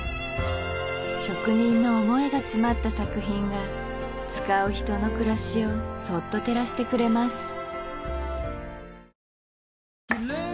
職人の思いが詰まった作品が使う人の暮らしをそっと照らしてくれます